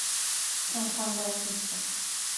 San Juan Bautista.